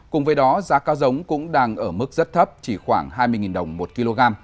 cùng với đó giá cá giống cũng đang ở mức rất thấp chỉ khoảng hai mươi đồng một kg